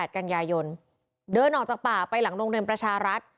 กันยายนเดินออกจากป่าไปหลังโรงเรียนประชารัฐ